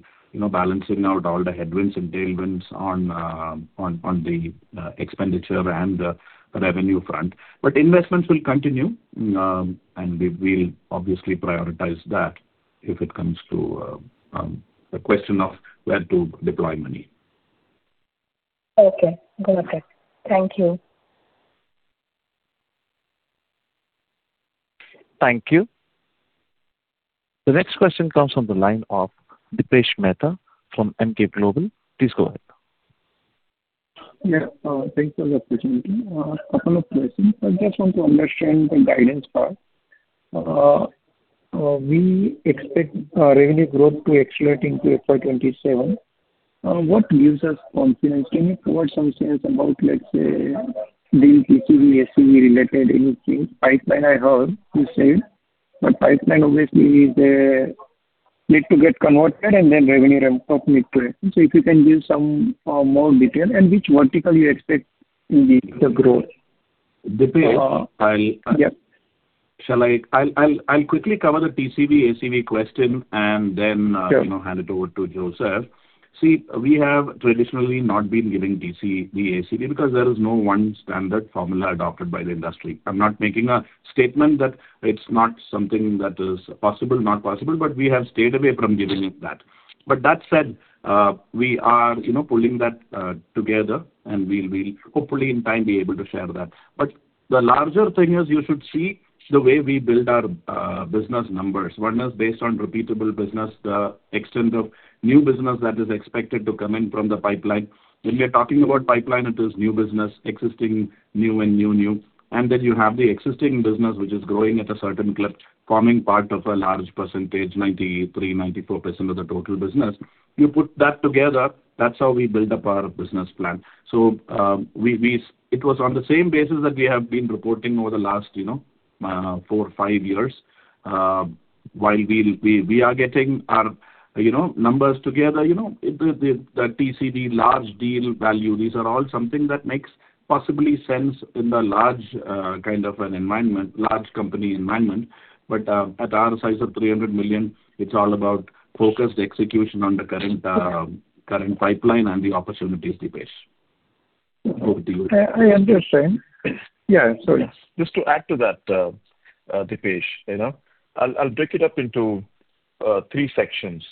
balancing out all the headwinds and tailwinds on the expenditure and the revenue front. Investments will continue, and we'll obviously prioritize that if it comes to the question of where to deploy money. Okay. Got it. Thank you. Thank you. The next question comes from the line of Dipesh Mehta from Emkay Global. Please go ahead. Yeah. Thanks for the opportunity. A couple of questions. I just want to understand the guidance part. We expect revenue growth to accelerate into FY 2027. What gives us confidence? Can you provide some sense about, let's say, deal TCV, ACV related, anything? Pipeline, I heard you said, but pipeline obviously need to get converted and then revenue ramps up need to happen. If you can give some more detail and which vertical you expect the growth? Dipesh. Yeah. Shall I? I'll quickly cover the TCV, ACV question and then. Sure Hand it over to Joseph. We have traditionally not been giving TCV, ACV because there is no one standard formula adopted by the industry. I'm not making a statement that it's not something that is possible, not possible, but we have stayed away from giving it that. That said, we are pulling that together, and we'll hopefully in time be able to share that. The larger thing is you should see the way we build our business numbers. One is based on repeatable business, the extent of new business that is expected to come in from the pipeline. When we're talking about pipeline, it is new business, existing new and new, then you have the existing business, which is growing at a certain clip, forming part of a large percentage, 93%-94% of the total business. You put that together, that's how we build up our business plan. It was on the same basis that we have been reporting over the last four, five years. While we are getting our numbers together. The TCV large deal value, these are all something that makes possibly sense in the large kind of an environment, large company environment. At our size of $300 million, it's all about focused execution on the current pipeline and the opportunities, Dipesh. Over to you. I understand. Yeah, sorry. Just to add to that, Dipesh. I'll break it up into three sections.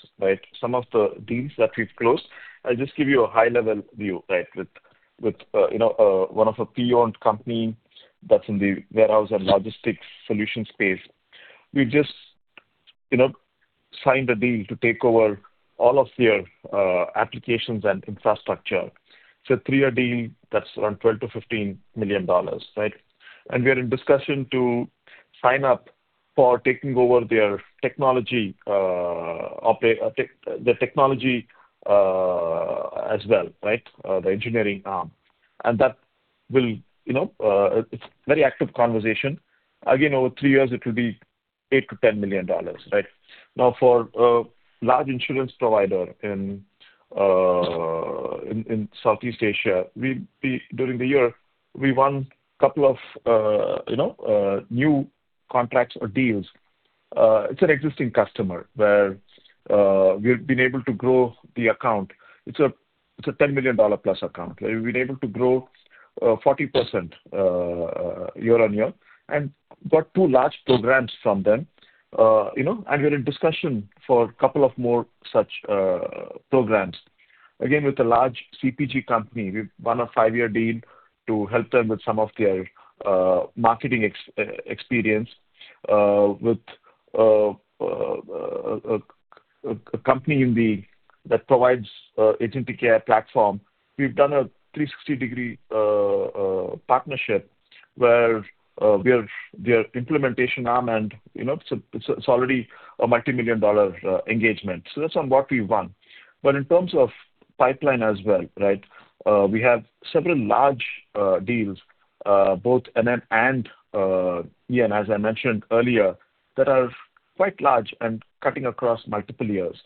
Some of the deals that we've closed, I'll just give you a high-level view. With one of a PE-owned company that's in the warehouse and logistics solution space. We just signed a deal to take over all of their applications and infrastructure. It's a three-year deal that's around $12 million-$15 million. We are in discussion to sign up for taking over their technology as well. The engineering arm. It's very active conversation. Again, over three years, it will be $8 million-$10 million. Now, for a large insurance provider in Southeast Asia, during the year, we won couple of new contracts or deals. It's an existing customer where we've been able to grow the account. It's a $10 million-plus account. We've been able to grow 40% year-on-year and got two large programs from them. We're in discussion for a couple of more such programs. Again, with a large CPG company. We've won a five-year deal to help them with some of their marketing experience. With a company that provides agent care platform. We've done a 360-degree partnership where we are their implementation arm and it's already a multimillion-dollar engagement. That's on what we've won. In terms of pipeline as well, we have several large deals, both N&M and EN, as I mentioned earlier, that are quite large and cutting across multiple years.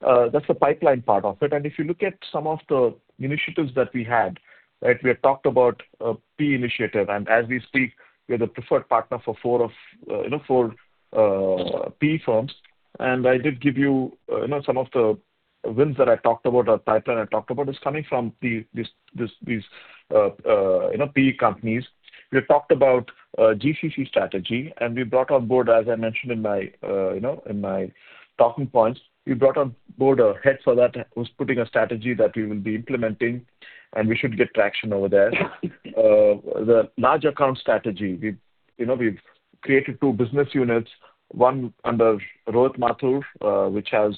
That's the pipeline part of it. If you look at some of the initiatives that we had, we had talked about a PE initiative, and as we speak, we are the preferred partner for four PE firms. I did give you some of the wins that I talked about, our pipeline I talked about is coming from these PE companies. We have talked about GCC strategy, and we brought on board, as I mentioned in my talking points. We brought on board a head for that who's putting a strategy that we will be implementing, and we should get traction over there. The large account strategy. We've created two business units, one under Rohit Mathur which has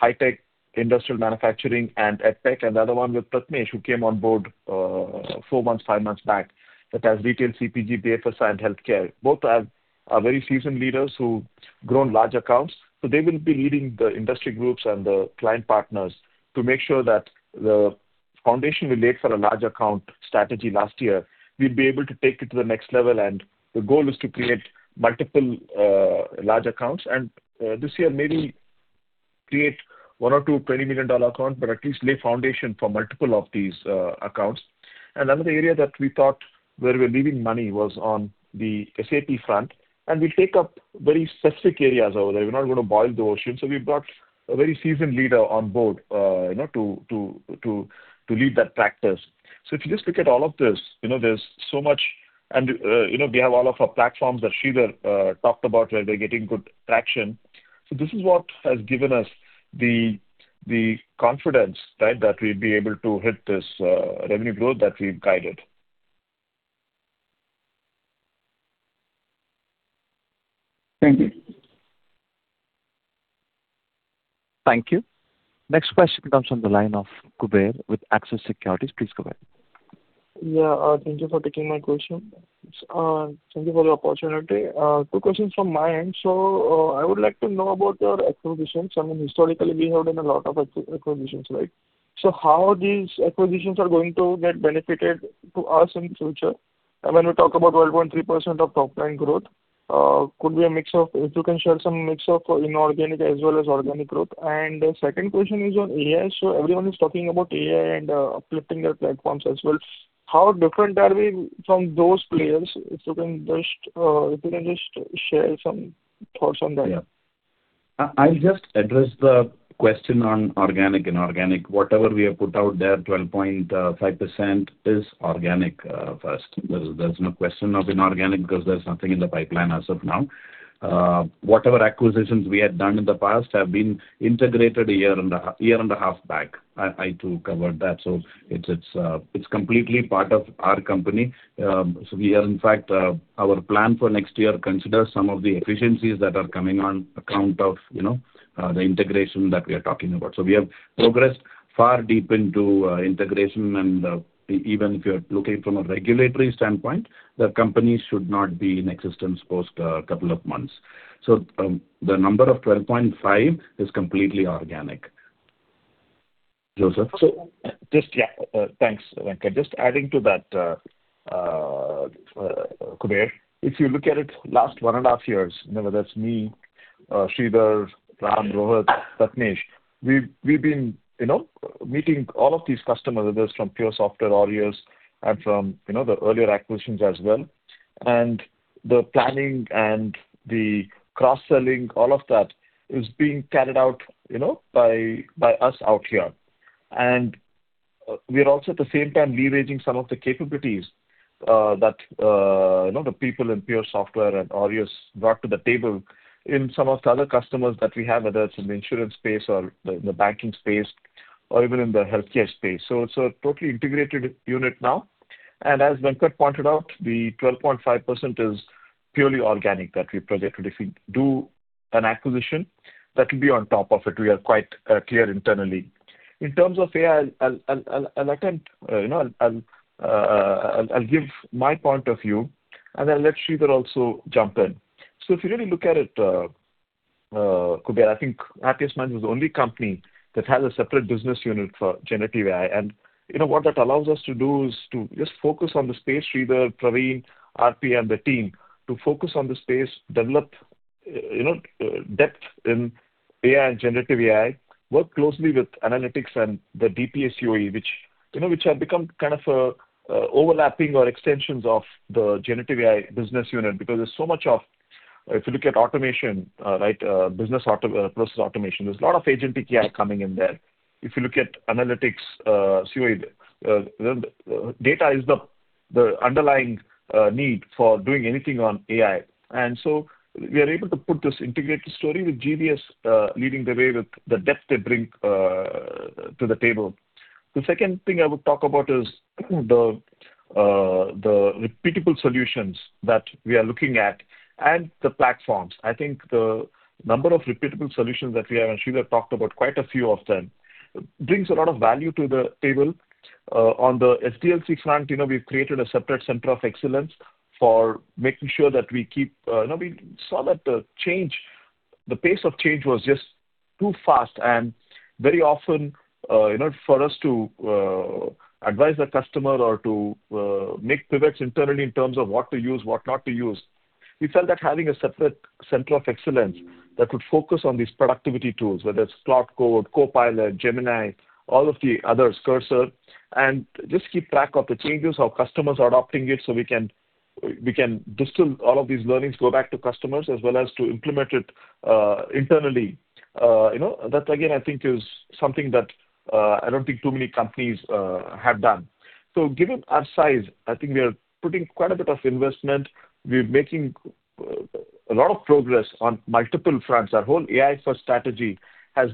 HiTech, industrial manufacturing, and EdTech, and the other one with Prathamesh, who came on board four months, five months back. That has Retail, CPG, BFSI, and Healthcare. Both are very seasoned leaders who've grown large accounts. They will be leading the industry groups and the client partners to make sure that the foundation we laid for a large account strategy last year, we'll be able to take it to the next level. The goal is to create multiple large accounts. This year maybe create one or two $20 million account, but at least lay foundation for multiple of these accounts. Another area that we thought where we're leaving money was on the SAP front. We take up very specific areas over there. We're not going to boil the ocean. We've got a very seasoned leader on board to lead that practice. If you just look at all of this, there's so much. We have all of our platforms that Sridhar talked about where they're getting good traction. This is what has given us the confidence that we'll be able to hit this revenue growth that we've guided. Thank you. Thank you. Next question comes from the line of Kuber with Axis Securities. Please proceed. Thank you for taking my question. Thank you for the opportunity. Two questions from my end. I would like to know about your acquisitions. I mean historically, we have done a lot of acquisitions. How these acquisitions are going to get benefited to us in future? When we talk about 12.3% of top-line growth, if you can share some mix of inorganic as well as organic growth. The second question is on AI. Everyone is talking about AI and uplifting their platforms as well. How different are we from those players? If you can just share some thoughts on that. I'll just address the question on organic. Whatever we have put out there, 12.5% is organic first. There's no question of inorganic because there's nothing in the pipeline as of now. Whatever acquisitions we had done in the past have been integrated a year and a half back. I, too, covered that. It's completely part of our company. We are, in fact, our plan for next year considers some of the efficiencies that are coming on account of the integration that we are talking about. We have progressed far deep into integration and, even if you're looking from a regulatory standpoint, the company should not be in existence post a couple of months. The number of 12.5 is completely organic. Joseph. Yeah. Thanks, Venkatraman. Just adding to that, Kuber, if you look at it last one and a half years, whether that's me, Sridhar, Ram, Rohit, Satish, we've been meeting all of these customers, whether it's from PureSoftware, Aureus, and from the earlier acquisitions as well. The planning and the cross-selling, all of that is being carried out by us out here. We are also, at the same time, leveraging some of the capabilities that the people in PureSoftware and Aureus brought to the table in some of the other customers that we have, whether it's in the insurance space or the banking space or even in the healthcare space. It's a totally integrated unit now. As Venkatraman pointed out, the 12.5% is purely organic that we projected. If we do an acquisition, that will be on top of it. We are quite clear internally. In terms of AI, I will give my point of view, and I will let Sridhar also jump in. If you really look at it, Kuber, I think Happiest Minds is the only company that has a separate business unit for Generative AI. What that allows us to do is to just focus on the space, Sridhar, Praveen, RP, and the team to focus on the space, develop depth in AI and Generative AI, work closely with analytics and the DPA CoE, which have become kind of overlapping or extensions of the Generative AI business unit because there is so much of If you look at automation, business process automation, there is a lot of agentic AI coming in there. If you look at analytics, CoE, data is the underlying need for doing anything on AI. We are able to put this integrated story with GBS leading the way with the depth they bring to the table. The second thing I would talk about is the repeatable solutions that we are looking at and the platforms. I think the number of repeatable solutions that we have, and Sridhar talked about quite a few of them, brings a lot of value to the table. On the SDLC front, we've created a separate Center of Excellence for making sure that we saw that the pace of change was just too fast and very often, for us to advise the customer or to make pivots internally in terms of what to use, what not to use. We felt that having a separate Center of Excellence that would focus on these productivity tools, whether it's Cloud Code, Copilot, Gemini, all of the others, Cursor, and just keep track of the changes, how customers are adopting it, so we can distill all of these learnings, go back to customers, as well as to implement it internally. That, again, I think is something that I don't think too many companies have done. Given our size, I think we are putting quite a bit of investment. We're making a lot of progress on multiple fronts. Our whole AI first strategy has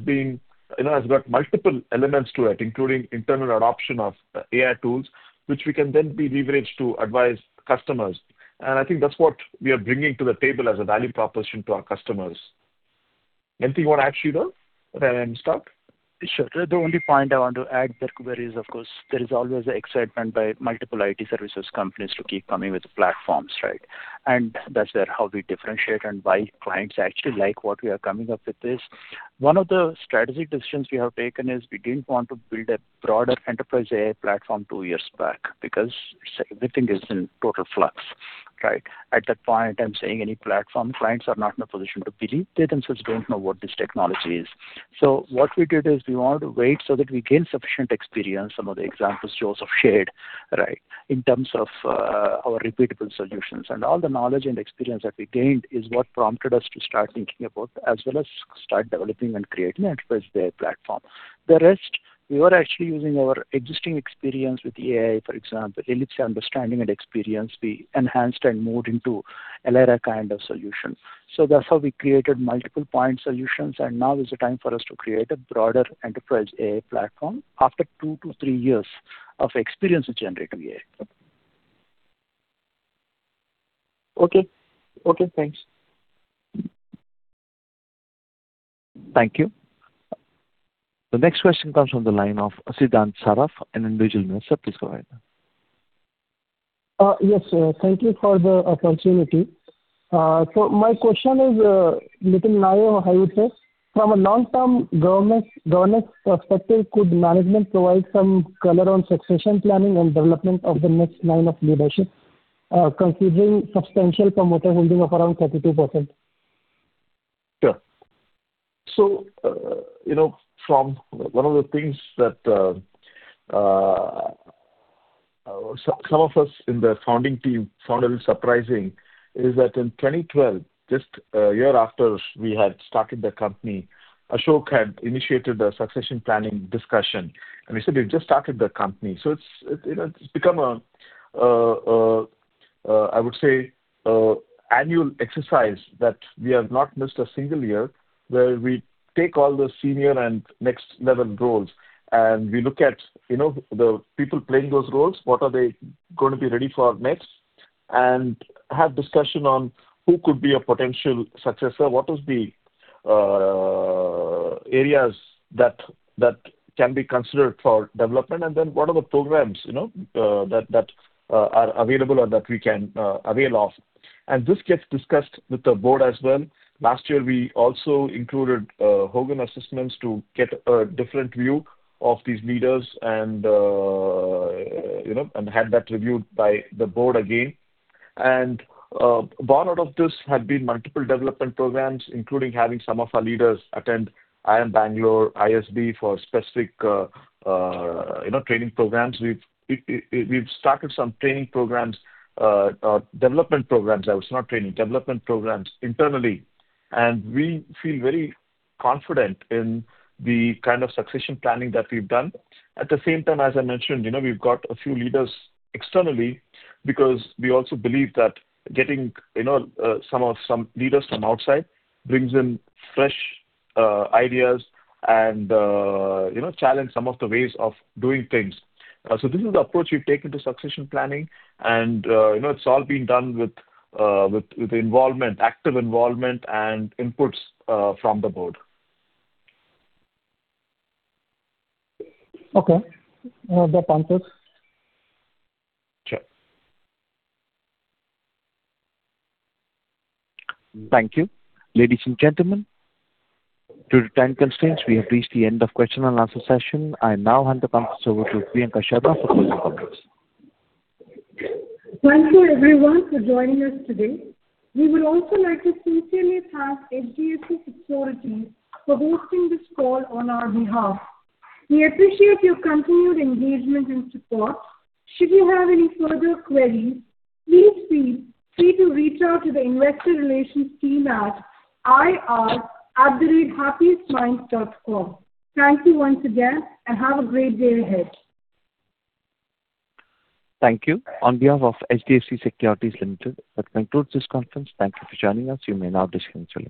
got multiple elements to it, including internal adoption of AI tools, which we can then be leveraged to advise customers. I think that's what we are bringing to the table as a value proposition to our customers. Anything more to add, Sridhar? Stop. Sure. The only point I want to add there, Kuber, is of course, there is always excitement by multiple IT services companies to keep coming with platforms, right? That's where how we differentiate and why clients actually like what we are coming up with is. One of the strategic decisions we have taken is we didn't want to build a broader Enterprise AI Platform two years back because everything is in total flux, right? At that point in time, saying any platform, clients are not in a position to believe. They themselves don't know what this technology is. What we did is we wanted to wait so that we gain sufficient experience. Some of the examples Joseph shared. Right? In terms of our repeatable solutions. All the knowledge and experience that we gained is what prompted us to start thinking about, as well as start developing and creating Enterprise AI Platform. The rest, we were actually using our existing experience with AI, for example, ELLIPSE understanding and experience we enhanced and moved into a better kind of solution. That's how we created multiple point solutions, and now is the time for us to create a broader Enterprise AI Platform after two to three years of experience with Generative AI. Okay. Thanks. Thank you. The next question comes from the line of Siddhant Saraf, an individual investor. Please go ahead. Yes. Thank you for the opportunity. My question is little naive, how you say? From a long-term governance perspective, could management provide some color on succession planning and development of the next line of leadership, considering substantial promoter holding of around 32%? Sure. From one of the things—Some of us in the founding team found a little surprising is that in 2012, just a year after we had started the company, Ashok had initiated a succession planning discussion, and we said, we've just started the company. It's become, I would say, annual exercise that we have not missed a single year, where we take all the senior and next level roles, and we look at the people playing those roles, what are they going to be ready for next, and have discussion on who could be a potential successor, what is the areas that can be considered for development, what are the programs that are available or that we can avail of. This gets discussed with the board as well. Last year, we also included Hogan Assessments to get a different view of these leaders and had that reviewed by the board again. Born out of this have been multiple development programs, including having some of our leaders attend IIM Bangalore, ISB for specific training programs. We've started some training programs, development programs, I would say, not training, development programs internally, we feel very confident in the kind of succession planning that we've done. At the same time, as I mentioned, we've got a few leaders externally because we also believe that getting some leaders from outside brings in fresh ideas and challenge some of the ways of doing things. This is the approach we've taken to succession planning, it's all been done with active involvement and inputs from the board. Okay. That answers. Sure. Thank you. Ladies and gentlemen, due to time constraints, we have reached the end of question-and-answer session. I now hand the conference over to Priyanka Sharma for closing comments. Thank you everyone for joining us today. We would also like to sincerely thank HDFC Securities for hosting this call on our behalf. We appreciate your continued engagement and support. Should you have any further queries, please feel free to reach out to the investor relations team at ir@happiestminds.com. Thank you once again, and have a great day ahead. Thank you. On behalf of HDFC Securities Limited, that concludes this conference. Thank you for joining us. You may now disconnect your lines.